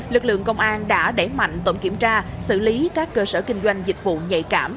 lực lượng công an đã đẩy mạnh tổng kiểm tra xử lý các cơ sở kinh doanh dịch vụ nhạy cảm